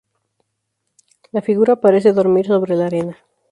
La figura parece dormir sobre la arena.